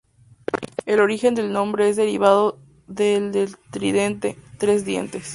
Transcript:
El origen del nombre es derivado del de "tridente", tres dientes.